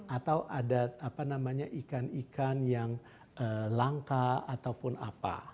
atau ada ikan ikan yang langka ataupun apa